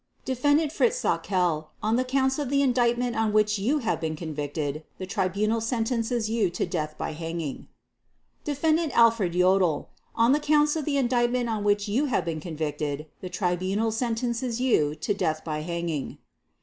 "Defendant Fritz Sauckel, on the Counts of the Indictment on which you have been convicted, the Tribunal sentences you to death by hanging. "Defendant Alfred Jodl, on the Counts of the Indictment on which you have been convicted, the Tribunal sentences you to death by hanging.